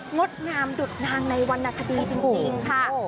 งดงามดุดนางในวรรณคดีจริงค่ะ